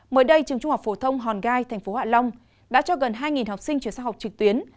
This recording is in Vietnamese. mới đây trường trung học phổ thông hòn gai tp hạ long đã cho gần hai học sinh chuyển sang học trực tuyến